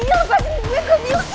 iih lepasin gue gua ngga mau